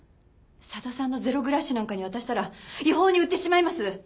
佐田さんのゼロ・グラッシュなんかに渡したら違法に売ってしまいます！